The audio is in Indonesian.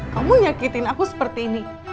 kamu nyakitin aku seperti ini